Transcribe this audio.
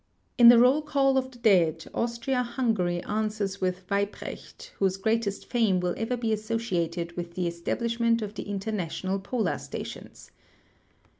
In the roll call of the dead Austria Hungary answers with '\Ve}"precht, whose greatest fame will ever be associated with the establishment of the international })olar stations.